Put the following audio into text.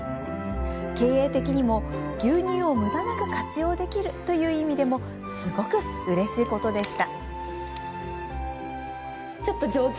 経営的にも牛乳をむだなく活用できるという意味でもすごくうれしいことでした。